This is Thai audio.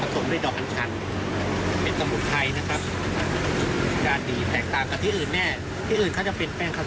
คุณนี่ทำจากอะไรครับ